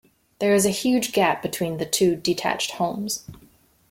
There is a huge gap between the two detached homes.